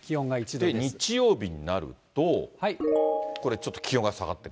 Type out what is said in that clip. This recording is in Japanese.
日曜日になると、これちょっと気温が下がってくる。